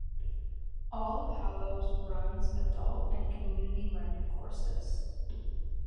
All Hallows runs Adult and Community Learning courses.